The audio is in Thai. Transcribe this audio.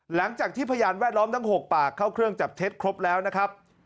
พยานแวดล้อมทั้ง๖ปากเข้าเครื่องจับเท็จครบแล้วนะครับ